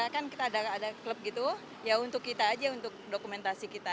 kan kita ada klub gitu ya untuk kita aja untuk dokumentasi kita